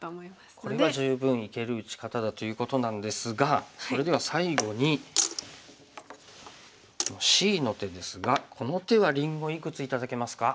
これは十分いける打ち方だということなんですがそれでは最後にこのＣの手ですがこの手はりんごいくつ頂けますか？